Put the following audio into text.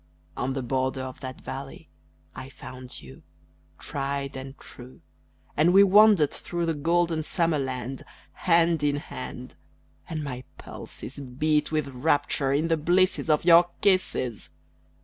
On the border of that valley I found you, Tried and true; And we wandered through the golden Summer Land Hand in hand. And my pulses beat with rapture in the blisses Of your kisses.